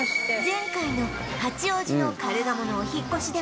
前回の八王子のカルガモのお引っ越しでも